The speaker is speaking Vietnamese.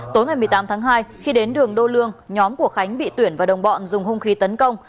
tối ngày một mươi tám tháng hai khi đến đường đô lương nhóm của khánh bị tuyển và đồng bọn dùng hung khí tấn công